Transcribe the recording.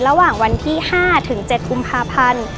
ระหว่างวันที่๕ถึง๗กุมภาพันธ์